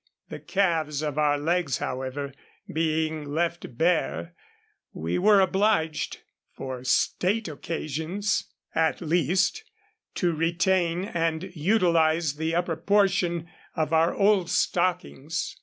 The calves of our legs, however, being left bare, we were obliged, for state occasions at 147 least, to retain and utilize the upper portion of our old stockings.